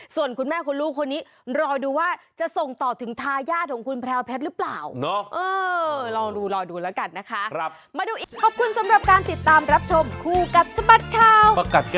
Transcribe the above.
ส่วนคุณแม่คุณลูกคนนี้รอดูว่าจะส่งต่อถึงทายาทของคุณแพรวแพทย์หรือเปล่า